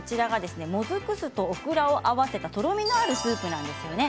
もずく酢とオクラを合わせたとろみのあるスープなんですよね。